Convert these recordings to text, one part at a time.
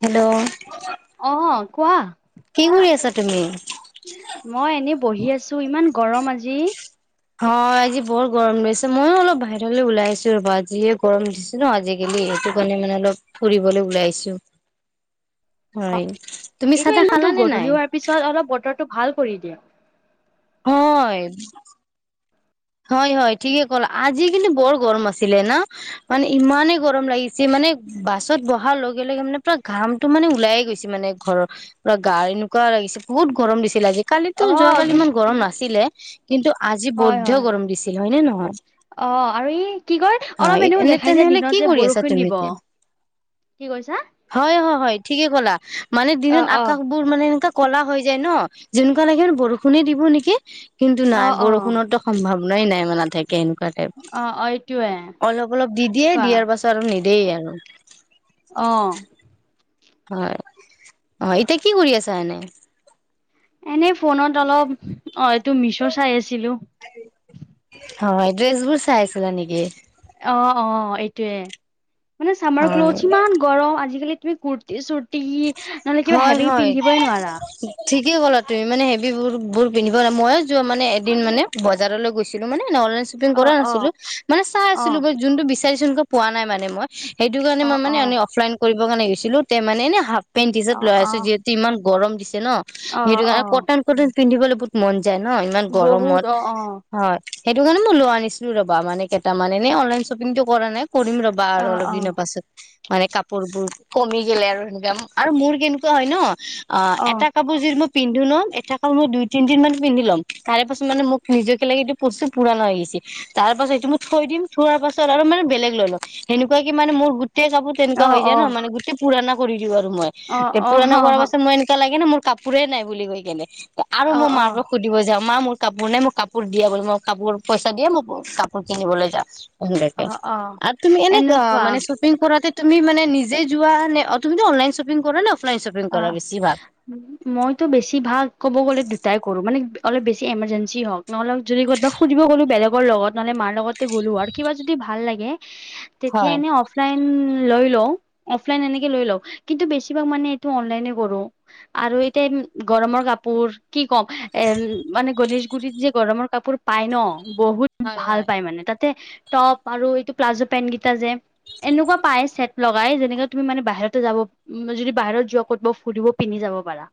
Hello, অহ কোৱা? কি [unintelligible] মই এনেই বহি আছো, ইমান গৰম আজি। হয় আজি বৰ গৰম দিছে। মইও অলপ বাহিৰলৈ ওলাই আহিছোঁ ৰ'বা। যিহে গৰম দিছে ন আজিকালি? সেইটো কাৰণে মানে অলপ ফুৰিবলৈ ওলাই আহিছোঁ। হয়। তুমি চাহ তাহ এইবা খালা টো নে গধূলি নাই? হোৱাৰ পিছত অলপ বতৰটো ভাল কৰি দিয়ে। হয়। হয় হয় ঠিকে ক'লা, আজি কিন্তু বৰ গৰম আছিলে ন? মানে ইমানে গৰম লাগিছে মা মানে বাছত বহাৰ লগে লগে মানে পুৰা ঘামটো মানে ওলায়ে গৈছে মানে ঘৰৰ, পুৰা গাৰ এনেকুৱা লাগিছে বহুত গৰম দিছিল আজি। কালিটো যোৱা কালি অ', ইমান গৰম নাছিলে। কিন্তু আজি বহুত হয় বৈধ্য হয়। গৰম দিছিল, হয় নে নহয়? অ' আৰু ই, কি কয় হয় অলপ এনেকুৱা এনে দেখায় যে তেনেহলে কি দিনত যে কৰি আছা বৰষুণ তুমি দিব। এতিয়া? কি কৈছা? হয় হ হয়। ঠিকে ক'লা মানে দিনত অ', অ'। আকাশবোৰ মানে এনেকা ক'লা হৈ যায় ন? যেনেকুৱা লাগে আৰু বৰষুণে দিব নেকি! কিন্তু নাই অ', অ', অ', বৰষুণতো ভাৱনাই নাই মানে নাথাকে এনেকুৱা টাইপ, অ', এইটোৱে অলপ অলপ দি দিয়ে, কোৱা দিয়াৰ পাছত আৰু নি দেই আৰু। অ'। হয় অ', এতিয়া কি কৰি আছা এনে? এনেই ফোনত অলপ, অ', এইটো মিশ্বো চাই আছিলোঁ। হয়, ড্ৰেছবোৰ চাই আছিলা নেকি? অ', অ', এইটোৱে মানে চামাৰ হয় ক্ল'থছ ইমান গৰম আজিকালি তুমি কুুৰ্তি চুৰ্তি, নহ'লে কিবা হেভি পিন্ধিবই নোৱাৰা। ঠিকেই ক'লা তুমি মানে হেভিবোৰ বোৰ পিন্ধিবই, ময়ো যোৱা মানে এদিন মানে বজাৰলৈ গৈছিলো মানে অনলাইন শ্বপিং কৰা অ', অ', নাছিলো মানে চাই আছিলোঁ অ', ব যোনটো বিচাৰিচো এনকা পোৱা নাই মানে মই। সেইটো কাৰণে অ', মই মানে অ'। অফলাইন কৰিব কাৰণে গৈছিলো তে মানে এনে হাফ পেণ্ট টিচাৰ্ত অ', লৈ আহিছো অ', যিহেতু ইমান গৰম দিছে ন' সেইটো অ', কাৰণে অ', কটন-টটন পিন্ধিবলৈ বহুত মন যায় ন' ইমান বহুত গৰমত, অ', অ', হয়। সেইটো কাৰণে মই লৈ আনিছিলো ৰ'বা, মানে কেইটামান এনে অনলাইন শ্বপিংটো কৰা নাই। কৰিম ৰ'বা আৰু অ', অলপ দিনৰ অ', পাছত মানে কাপোৰবোৰ কমি গেলে আৰু এনকম আৰু মোৰ কেনেকুৱা হয় ন, অ', এটা কাপোৰ যোৰ মই পিন্ধো ন' এটা কাপোৰ মই দুই তিনিদিন মান পিন্ধি লম তাৰেপাছত মানে মোক নিজকে লাগে এইটো বস্তু পুৰানা হৈ গেছে। তাৰপাছত সেইটো মই থৈ দিম, থোৱাৰ পাছত আৰু মানে বেলেগ লৈ লম সেনেকুৱা কি মানে মোৰ গো টেই কাপুৰ তেনেকুৱা অ', হৈ যায় ন' অ', মানে গোটেই পুৰণা কৰি দিওঁ আৰু মই অ', এই অ', পুৰণা কৰাৰ পাছত মই এনেকুৱা লাগে না মোৰ কাপোৰে নাই বুলি কৈ কেনে, আৰু অ', মই মাৰ অ', পৰা সুধিব যাওঁ। মা মোৰ কাপোৰ নাই মোৰ কাপোৰ দিয়া বুলি, মই কাপোৰ পইচা দিয়ে মই কাপোৰ কিনিবলৈ যাম। এনেকে অ', অ', আৰু তুমি এনে অ', এনেকুৱা মানে শ্বপিং কৰাতে তুমি মানে নিজে যোৱা নে? অ', তুমিতো অনলাইন শ্বপিং কৰা ন'? অ', মইতো বেছি ভাগ ক'ব গ'লে দুটাই কৰোঁ, মানে অলপ বেছি এমাৰ্জেঞ্চি হওঁক, নহ'লেও যদি ক'তবা ফুৰিব গ'লো বেলেগৰ লগত নহ'লে মাৰ লগতে গ'লো আৰু কিবা যদি ভাল লাগে, তেতিয়া হয় এনে অফলাইন লৈ লওঁ অফলাইন এনেকে লৈ লওঁ কিন্তু বেছিভাগ মানে টো অনলাইনে কৰোঁ আৰু এতিয়া গৰমৰ কাপোৰ কি কম এ মানে গণে গুৰিত যি গৰমৰ কাপোৰ পায় ন' বহুত হয় ভাল হয় পায় মানে তাত তে টপ আৰু এইটো প্লাজো পেণ্ট কেইটা যে। এনেকুৱা পাই চেট লগাই যেনেকে তুমি মানে বাহিৰতে যাব যদি বাহিৰত যোৱা ক'ত বা ফুৰিব পিন্ধি যাব পাৰা।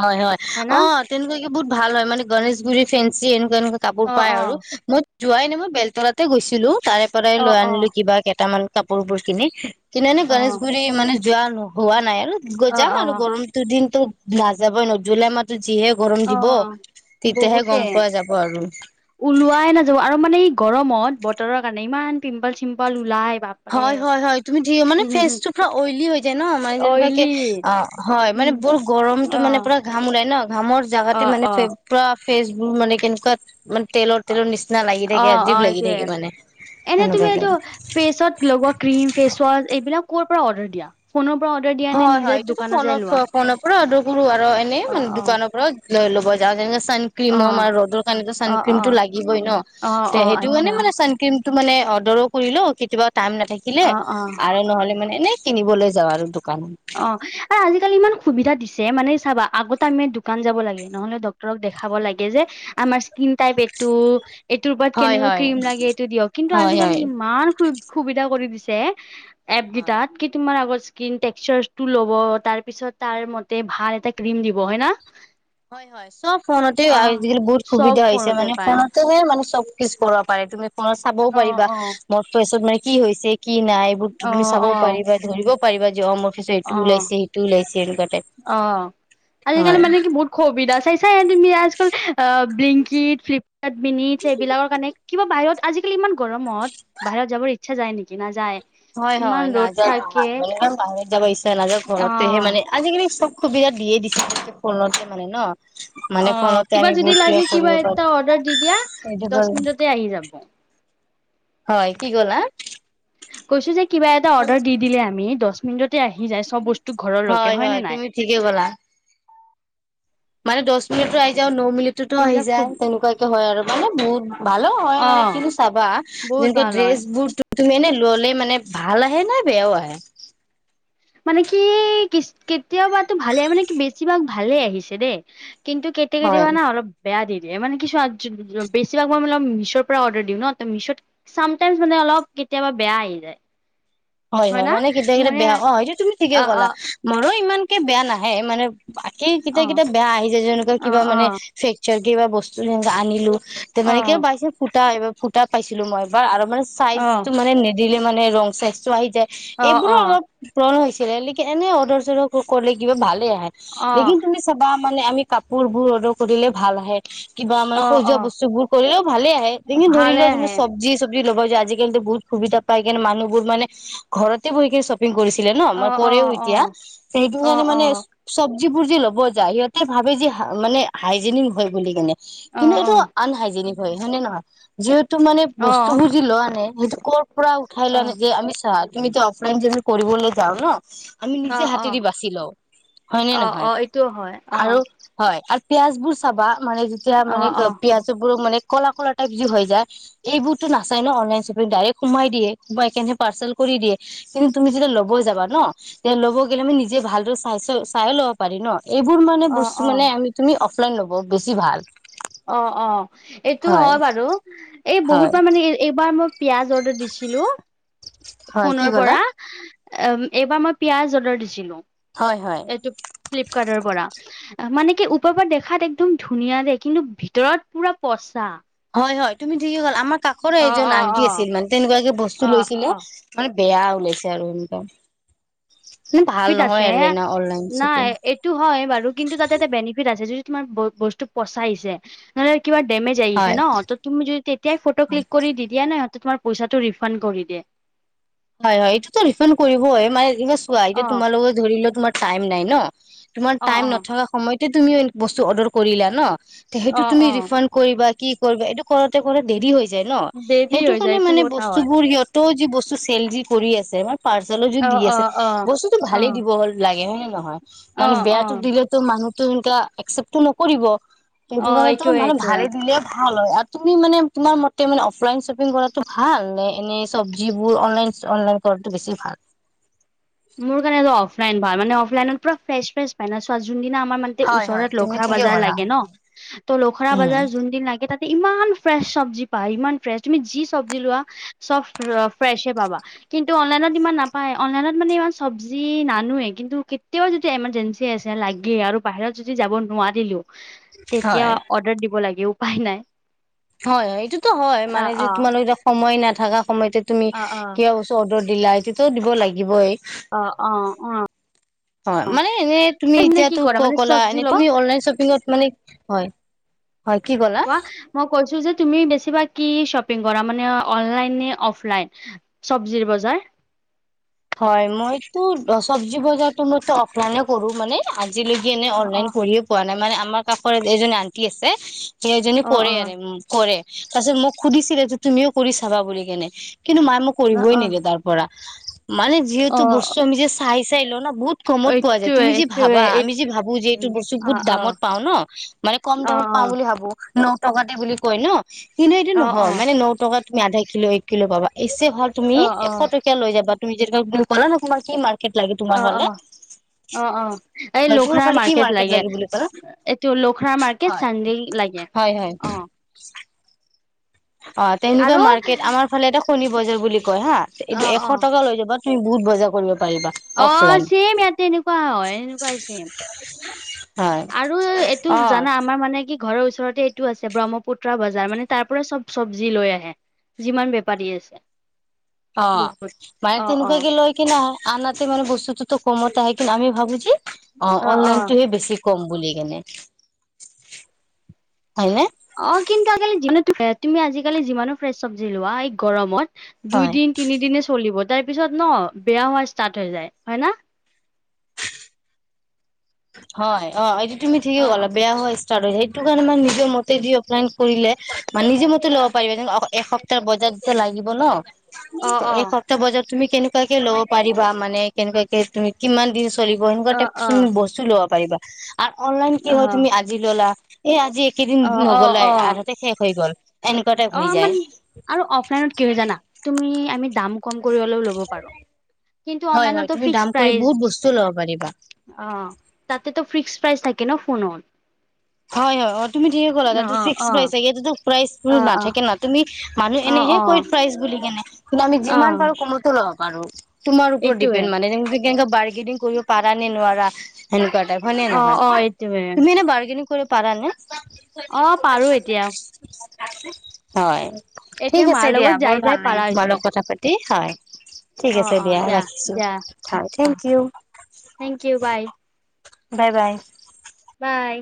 হয়, হয়, অ', তেনেকুৱাকে বহুত ভাল হয় মানে গনেশগুৰি ফেঞ্চি এনেকোৱা তেনেকুৱা কাপোৰ অ পায় অ আৰু মই যোৱাই নাই, মই বেলতলাতে গৈছিলো। তাৰে পৰাই অ অ লৈ আনিলো কিবা কেইটামান কাপোৰবোৰ কিনি কিনোনে অ গনেশগুৰি মানে যোৱা হোৱা নাই আৰু অ যাম অ আৰু গৰমটো দিনতো নাযাবই ন' জুলাই মাহটোত অ', বহুতে গম পোৱা যাব আৰু ওলোৱাই নাযা আৰু মানে গৰমত বতৰৰ কাৰণে ইমান পিম্পল চিম্পল ওলাই। বাপৰে। হয়, হয়, হয় তুমি মানে হুম হুম হুম। ফেচটো পুৰা অইলি হৈ যায় ন' মানে যেনেকুৱাকে অইলি অ', হয় মা মানে উম বৰ গৰমতটো অ মানে পুৰা ঘাম ওলাই ন? ঘামৰ অ জোগাতে মানে অ পুৰা ফেচবোৰ মানে কেনেকুৱা মানে। তেলৰ তেলৰ নিচিনা লাগি অ থাকে। অ আজীপ লাগি এইটোয়ে থাকে মানে এনে তুমি এইটো ফেচত সেনেুকোৱাকে। লগোৱা ক্ৰীম ফেচ ৱাশ এইবিলাক ক'ৰৰ পৰা অৰ্ডাৰ দিয়া, ফোনৰ পৰা অৰ্ডাৰ দিয়া নে হয, নিজে হয় এইটো দোকানত যাই লোৱা? ফোনৰ ফোনৰ পৰা অৰ্ডাৰ কৰো আৰু এনেই অ মানে অ। দোকানৰ পৰা লৈ ল'ব অ চানক্ৰীমম আৰু ৰ'দৰ কাৰণে অ অ চানক্ৰীমটো লাগিবই, ন অ তে অ সেইটো আচ্ছা কাৰাণে চানক্ৰীম। তো মানে অৰ্ডাৰো কৰিলো কেতিয়াবা কাম নাথাকিলে অ অ। আৰু নহ'লে মানে এনে কিনিবলৈ যাওঁ আৰু দো। অ' আৰু আজিকালি ইমান সুবিধা দিছে। মানে চাবা আগতে আমি দোকান যাব লাগে নহ'লে ডাক্তৰক দেখাব লাগে যে আমাৰ স্কিন টাই। টো এইটোৰ পৰাত হয় কেনেকুৱা হয় ক্ৰীম লাগে এইটো দিয়ক কিন্তু হয় আজিকালি হয়। ইমান সুবিধা কৰি দিছে। এপ হয়। কেইটাটা ইচস্কিন টেক। ফিছাৰছটো ল'ব তাৰ পিছত তাৰ মতে ভাল এটা ক্ৰীম দিব হয় না। হয়, হয়। চ'ব ফোনতে অ আজিকালি বহুত চব সুবিধা হৈছে। ফোনতে মানে পায় ফোনতেহে মানে চ'ব। পিছপৰা পাৰে তুমি ফোনত চাবও অ পাৰিবা। অ মোৰ ফেচত মানে কি হৈছে। কি নাই এইবোৰ ত অ তি চাব অ পাৰিবা। ধৰিব পাৰিব যে অমোফেচত এইটো অ ওলাইছে। সেইটো ওলাইছে এনেকুৱা। টাইপ। অ' আজিকালি হয়। মানে কি বহুত সুবিধাৰ। চাইাচা তুমি আজকল বেলংকিট, ফ্লিপকাৰট মিনিট সেবিলাকৰ কাৰণে কিবা বাহিৰত। আজিকালি ইমান গৰমত বাহিৰত যাবৰ ইচ্ছা যায় নেকি নাযায়। হয়। ইমান হয় ৰ'দ নাযাও ন থাকে মানে বাহিৰত যাব ইচ্ছা নাযায়ে ঘৰতেহে অ', মানে আজিকালি চ'ব। সুবিধা দিয়ে দিছিল ফোনতে মানে ন। মানে অ' ফোনতে কিবা আমি যদি বহুত লাগে কিবা কৰিব পাৰো। এটা অৰ্ডাৰ দি দিয়া। এইটো দহ মিনিটতে আহি যাব। হয় কি ক'লা? কৈছো যে কিবা এটা অৰ্ডাৰ দি দিলে আমি দহ মিনিটত। তাতে আহি যায় চ'ব বস্তু ঘৰলৈকে হয় ন নাই। তুমি ঠিকে ক'লা। মানে দহ মিনিটো আহি যায়, ন মিনিটতো আহি এইবিলাক খুব যায়, তেনেকুৱাকে হয় আৰু মানে বহুত। ভালো হয় মানে অ', কিন্তু চাবা বহুত যেনেকে ভাল ড্ৰেছ হয়। বোৰ। তুমি এনে ল'লে মানে ভাল আহে নাই বেয়াও আহে? মানে কি কেতিয়াবাতো ভালে মানে, কি বেছিভাগ ভালে আহিছে দেই। কিন্তু কেতিয়া, হয় কেতিয়াবা অলপ বেয়া দিয়ে। এই মানে কিছু বেছিভাগ মই মানে অলপ মিহছৰ পৰা অৰ্ডাৰ দিওঁ, ন ত মিহছত চামটাইমচ মানে অলপ। কেতিয়াবা বেয়া আহি যায়। হয়, হয় না মানে। কেতিয়া কেইটায়া মোৰে বেয়া অ সেইটো তুমি ঠিকে অ অ ক'লা মোৰো ইমানকে বেয়া নাহে মানে তাকেই কেতিয়া অ কেতিয়াবা বেয়া আহি যায়। যেনেকুৱা অ কিবা মানে ফ্ৰেকচাৰ কিবা বস্তু যেনে আনিলো তে অ অ মানে কিয় বাইঞ্চেছ ফুটা এইবাৰ ফুটা পাইছিলো। মই এবাৰ আৰু মানে অ চাইজটো মানে দিলে মানে ৰং স্বাস্থ্য আহি যায় অ অ এইবোৰো অলপ পূৰণ হৈছে। এনে অৰ্ডাৰ চদাৰ কৰিলে কিবা ভালে আহে অ লেকিন তুমি চাবা। মানে আমি কাপোৰ বোৰ অৰ্ডাৰ কৰিলে ভাল আহে। কিবা মানে অ সজোৱা অ বস্তুবোৰ কৰিলেও ভালে আহে যে লেকিন ধৰি ভালে লওঁ আহে য চব্জি চ'ব। ল'বা আজিকালি বহুত সুবিধা পায়। কিণ মানুহবোৰ মানে ঘৰতে বহি কি শপিং কৰিছে। ন ম অ অ কৰে অ এতিয়া অ অ সেইানে অ মানে চ'ব। চজ্বিবোৰ যি ল'ব যায় সিহঁতে ভাবে যেি মানে হাইজেনিক হয় বুলি কেনে। অ কিন্তু এইটো আনহাইজেনিক হয়, হয়নে নহয় যিহেতু। টো মানে অ অ বস্তুবোৰ যি লোৱা নে সেইটো কৰ' পৰা উঠাই অ লয় আনে যে আমি। তুমি অফলাইন য কৰিবলৈ যাও ন। আমি অ নিজে হাতেদি বাচি লওঁ হয়নে অ অ নহয় এইটোও হয় অ আৰু হয়। পিয়াজ বোৰ চাবা মানে যেতিয়া অ মানে অ পিয়াজ বোৰো মানে। কলা কলা টাইপ যে হৈ যায়। এইবোৰতো নচাই ন অনলাইন শ্বপিং ডাইৰেক্ট সোমাই দিয়ে সোমাই কেনে। পাৰ্চেল কৰি দিয়ে কিন্তু তুমি যেতিয়া ল'ব যাবা ন তেতিয়া ল'ব গ'লে মানে নিজে ভালদৰে চাই চাই ল'ব পাৰি ন এইবোৰ মানে অ বস্তু অ মানে আমি তুমি অফলাইন ল'ব বেছি ভাল। অ-অ এইটো হয় বাৰু এই হয় বহুতবাৰ মানে এইবাৰ মই পিয়াজ অৰ্ডাৰ দিছিলো হয় কি ফোনৰ ক'লা পৰা। এইবাৰ মই পিয়াজ অৰ্ডাৰ দিছিলো হয় হয় এইটো ফ্লিপকাৰ্টৰ পৰা। মানে কি ওপৰৰ পৰা দেখাত একদম ধুনীয়া দে কিন্তু ভিতৰত পুৰা পচা। হয়-হয় তুমি কি হ'ল আমাৰ কাষৰে অ এজন অ আন্টি অ আছিল মানে তেনেকুৱাকে বস্তু অ লৈছিলে অ মানে। বেয়া ওলাইছে আৰু এনেকোৱা। আছে নাই এইটো হয় বাৰু কিন্তু তাতে এটা বেনিফিট আছে য। তমান ব বস্তু পচাইছে নহলে। কিবা ডেমেজ আহিছে হয় ন ত' তুমি যদি তেতিয়াই ফটো ক্লিক কৰি দি দিয়া নহ। তোমাৰ পইচাটো ৰিফা কৰি দে। হয় হয় এইটোতো ৰিফাণ্ড কৰিবই মানে এই চোৱা এয়া অ তোমালোক ধৰিলে তোমাৰ টাইম নাই ন। তোমাৰ অ টাইম অ নথকা সময়তে তুমিও বস্তু অৰ্ডাৰ কৰিলা ন। সেইটো অ তুমি অ ৰিফাড কৰিবা কি কৰিবা এইটো কৰোতে কৰা দেৰি হৈ। ন দেৰি সেইটো হৈ যায় কাৰণে এইটো মানে কথা বস্তু হয় বোৰ সিহত যি বস্তু চেল যি কৰি আছে আমাৰ পাৰ্চেলো যদি দি অ', আছে অ', অ', বস্তুতটো ভালেই অ', দিব লাগে হয় নে। নহয় মানে অ', বেয়াটো অ', দিলেেতো মানুহতো সো একচেপ্টটো নকৰিব। কিন্তু অ', কাৰলেতো এইটোয়ে মানে এইটোয়ে। ভালে দিলে। ভাল হয় তুমি মানে তোমাৰ মতে মান অফলাইন শ্বপিং কৰা ভাল নে এনেই চবজীবোৰ। অনলাইন কৰাটো বছি ভাল। মোৰ কাৰণে অফলাইন ভ মানে অফলাইনত পুৰা ফ্ৰেছ ফ্ৰে পায় না চ। যোনদিনা আমাৰ মান হয় হয় ওচৰত তুমি লখৰা ঠিকে বজাৰ ক'লা লাগে ন ত' লখৰা উম বজাৰ যোন দিন লাগে তাত। ইমান ফ্ৰেচ চব্জি পা ইমান ফ্ৰেছ তুমি যি চব্জি লোৱা চব ফ্ৰেচে পাবা। কিন্তু অনলাইনত ইমান নাপায় অনলাইনত মানে ইমান চব্জি নানোৱে কিন্তু কেতিয়াও যদি এমাৰ্জেঞ্চি আছে লাগে আৰু বাহিৰত যদি যাব নোৱাৰো। ন দিলো তেতিয়া হয়। অৰ্ডাৰ দিব লাগে উপায় নাই। হয়-হয় এইটোতো হয় মানে অ', যে অ', তোমালোক এতিয়া সময় নাথাকা সময়তে তুমি অ', অ'। কিয় চব। দিলা তেটোও দিব লাগিবই। অ-অ-অ, [inaudible] হয় মানে এনে তুমি মানে কি এতিয়ো কৰা ক মানে ক'লা চব্জি এনে ল তুমি অনলাইন শ্বপিঙত মানে হয়। হয় কি ক'লা? কোৱা মই কৈছো যে। তুমি বেছিভাগ কি শ্বপিং কৰা মানে অনলাইন নে অফলাইন চবজিৰ বজাৰ। হয় মইতো চবজি বজাৰতো মই অফলাইনে কৰো মানে। আজিলৈকে এনে অ অ অনলাইন কৰিয়েই পোৱা নাই মানে আমাৰ কাষৰত এজন আন্টি আছে। সেইজনী অ পৰে আৰু কৰে তাৰপিছত মোক সুধিছিলে যে তুমিও কৰি চাবা বুলি কেনে। কিন্তু মায়ে মোক অ অ কৰিবই নিদে অ তাৰ পৰা। মানে অ যিহেতু বস্তো আমি যে চাই-চাই লয় ন। বহুত কমত পোৱা যায় এইটোৱে তুমি যি এইটোৱে ভাবা এই আমি যি ভাবো যে এইটো বস্তু অ বহুত অ দামত পাও ন মানে কম অ দাম। পাওঁ বুলি ভাবো। ন টকাতে বুলি কয় ন কিন্তু এইটো অ অ অ নহয় মানে ন টকা তুমি আধাই কিলো এক কিলো পাবা। ভ তুমি অ অ এশ টকীয়া লৈ যাবা তুমি যেক বুলি পালা ন তোমাৰ কি মাৰ্কেট লাগে তোমাৰ হলে। অ-অ এই লোখৰা মাৰ্কেট লাগে এইটো লোখৰা মাৰ্কেট হয় চানডেল, লাগে। হয় হয়। অ অ' তেনেকুৱা আৰু মাৰ্কেট আমাৰ ফালে এটা কণী বজাৰ বুলি কয় হা অ এইটো এশ টকা লৈ যাবা। তুমি বহুত বজাৰ কৰিব পাৰিব। অহ ছেম ইয়াতে এনেকুৱা হয় এনেকুৱাই ছেম। হয় আৰু এইটো অ জানা আমাৰ মানে কি। ঘৰৰ ওচৰতে এইটো আছে ব্ৰহ্মপুত্ৰ বজাৰ মানে তাৰ পৰাই চব চব্জি লৈ আহে। যিমান বেপাৰী আছে। অ' বহুত মায়ে অ অ তেনেকুৱা কি লৈ কিনে আনাতে মানে বস্তুটোতো কমতে হয় কিন্তু আমি ভাবো যে অ' অনলাইনটোহে বেছি কম বুলি কেনে, হয় নে? অ' কিন্তু [unintelligible] তুমি আজিকালি যিমানো ফ্ৰেচ চব্জি লোৱা এই গৰমত হয় দুইদিন তিনিদিনে চলিব। তাৰ পিছত ন বেয়া হোৱা ষ্টাৰ্ট হৈ যায় হয় ন? হয় অ' এইটো তুমি অ ঠিকেই কলা বেয়া হয় ষ্টাৰ্ট হয় সেইটো কাৰণে মানে নিজে মতে দি অফলাইন কৰিলে নিজৰ মতে লব পাৰিম ন এক সপ্তাহ বজাৰ এতিয়া লাগিব ন। অ অ এসপ্তাহ বজাৰ তুমি কেনেকাকে ল'ব পাৰিবা মানে কেনেকুৱাকে তুমি কিমান দিন চলিব এনেকুৱা অ অ টাইপ চোন অ বস্তু লব পাৰিবা আৰু অনলাইন কি হৈ তুমি আজি ললা এ আজি যি এইকেইদিন অ অ নগলাই অ আধাতে শেষ হৈ গ'ল। এনেকুৱা টাইপ অ' হৈ আমান যায় আৰু অফলাইনত কি হৈ জানা তুমি আমি দাম কম কৰি হলেও ল'ব পাৰো। কিন্তু হয় হয় অনলাইনটো তুমি ফিক্স দাম কৰি বহুত বস্তু ল'ব পাৰিবা। প্ৰাইজ অ' তাতে তো ফিক্স প্রাইচ থাকে ন ফোনত। হয়, হয় অ' তুমি ঠিকেই কলা তাতে অ', ফিক্স অ', প্ৰাইজ থাকে ইয়াতে টো প্ৰাইজবোৰ অ', অ', নাথাকে ন তুমি মানুহ অ', এনেহে কৈ অ', প্ৰাইজ বুলি কেনে কিন্তু আমি যিমান অ', পাৰো কমতো ল'ব পাৰো। তোমাৰ ওপৰত এইটোৱে ডিপেণ্ড মানে তুমি কেনেকা বাৰ্গেনিং কৰিব পাৰা নে নোৱাৰা সেনেকুৱা হয়নে অ', নহয় অ', এইটোৱে তুমি এনে বাৰ্গেনিং কৰিব পাৰা নে? অ' পাৰো এতিয়া। হয় ঠিক এতিয়া আছে মাৰ দিয়া লগত বৰ যাই ভাল যাই লাগিল পাৰা তোমাৰ হৈছে লগত কথা পাতি। হয়। ঠিক অ', আছে অ', দিয়া ৰাখিছো দিয়া হয় thank O, you. Thank you bye bye bye. By.